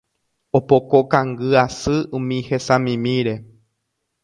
opoko kangy asy umi hesamimíre